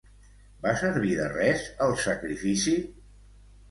Va servir de res, el sacrifici?